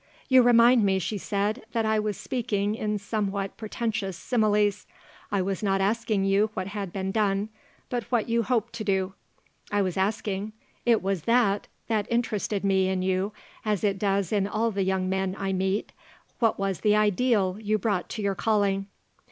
"You remind me," she said, "that I was speaking in somewhat pretentious similes. I was not asking you what had been done, but what you hoped to do. I was asking it was that that interested me in you, as it does in all the young men I meet what was the ideal you brought to your calling."